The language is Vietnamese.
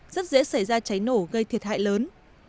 rất dễ xảy ra cháy nổ gây thiệt hại lớn